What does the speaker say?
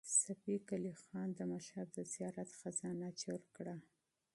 صفي قلي خان د مشهد د زیارت خزانه چور کړه.